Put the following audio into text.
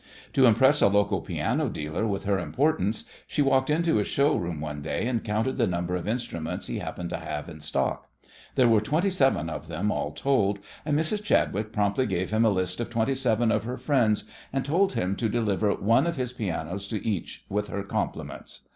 To impress a local piano dealer with her importance she walked into his showroom one day and counted the number of instruments he happened to have in stock. There were twenty seven of them all told, and Mrs. Chadwick promptly gave him a list of twenty seven of her friends, and told him to deliver one of his pianos to each with her compliments.